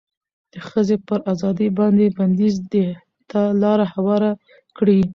د ښځې پر ازادې باندې بنديز دې ته لار هواره کړه